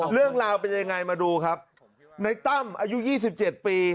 เรื่องราวเป็นยังไงมาดูครับในตั้มอายุ๒๗ปี